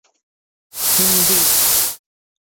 Hindi